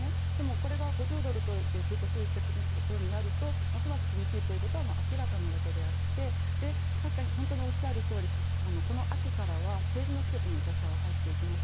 これが５０ドルでずっと推移していくことになるとますます厳しいことは明らかなわけであって確かにおっしゃるとおりこの秋からは政治の季節にロシアは入っていきます。